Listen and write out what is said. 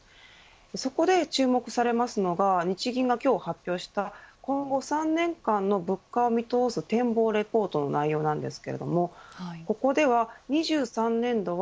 そこで注目されますのが日銀が今日発表した今後３年間の物価を見通す展望レポートの内容なんですけれどもここでは２０２３年度は